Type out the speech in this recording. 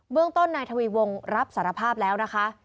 เรื่องต้นนายทวีวงรับสารภาพแล้วนะคะ